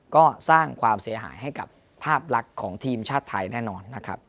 ก็สร้างความเสียหายให้กับภาพลักษณ์ของทีมชาติไทยแน่นอนนะครับ